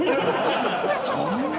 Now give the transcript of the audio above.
そんな。